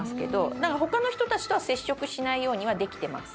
だから、ほかの人たちとは接触しないようにはできてます。